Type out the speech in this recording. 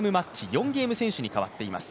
４ゲーム先取に変わっています。